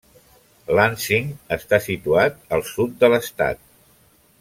Lansing està situat al sud de l'estat.